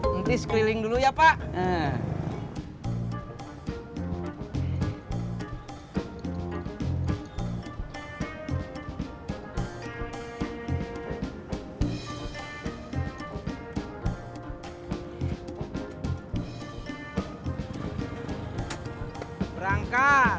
nanti sekeliling dulu ya pak